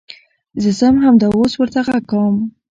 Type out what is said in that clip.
زه ځم همدا اوس ورته غږ کوم .